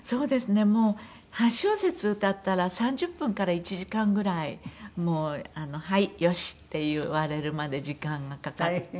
もう８小節歌ったら３０分から１時間ぐらいもう「はいよし」って言われるまで時間がかかって。